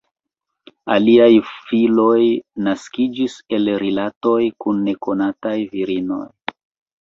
Aliaj filoj naskiĝis el rilatoj kun nekonataj virinoj.